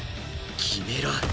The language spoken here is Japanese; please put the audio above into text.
決めろ！